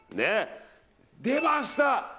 出ました！